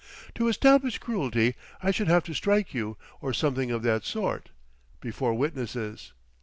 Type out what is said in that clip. To establish cruelty I should have to strike you, or something of that sort, before witnesses.